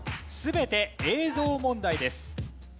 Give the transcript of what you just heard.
全て映像問題です。